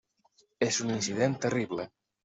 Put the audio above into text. És un incident terrible.